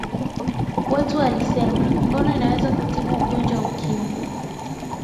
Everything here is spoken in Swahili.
watu walisema ngono inaweza kutibu ugonjwa wa ukimwi